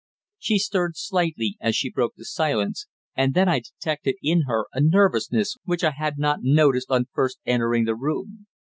She stirred slightly as she broke the silence, and then I detected in her a nervousness which I had not noticed on first entering the room.